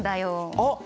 あっ！